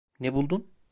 Ne buldun?